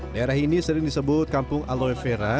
daerah ini sering disebut kampung aloe vera